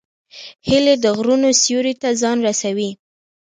هیلۍ د غرونو سیوري ته ځان رسوي